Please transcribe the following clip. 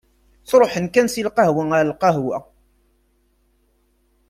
Ttruḥen kan si lqahwa ɣer lqahwa.